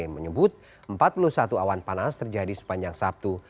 menyebut empat puluh satu awan panas terjadi sepanjang sabtu